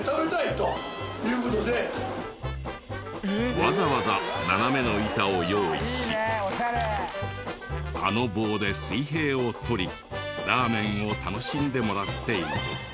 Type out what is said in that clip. わざわざ斜めの板を用意しあの棒で水平をとりラーメンを楽しんでもらっている。